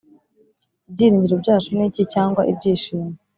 Ibyiringiro byacu ni iki cyangwa ibyishimo